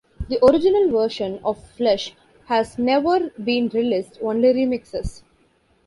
The original version of "Flesh" has never been released, only remixes.